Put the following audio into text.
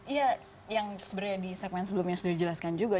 iya yang sebenarnya di segmen sebelumnya sudah dijelaskan juga